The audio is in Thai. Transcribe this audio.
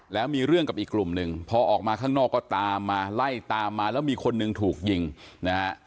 แล้วมีเรื่องกับอีกกลุ่มหนึ่งพอออกมาข้างนอกก็ตามมาไล่ตามมาแล้วมีคนหนึ่งถูกยิงนะฮะ